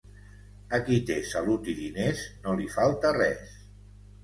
A qui té salut i diners no li falta res.